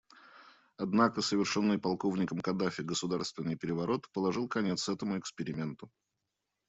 Однако совершенный полковником Каддафи государственный переворот положил конец этому эксперименту.